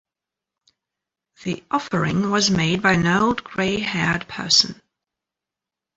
The offering was made by an old grey-haired person.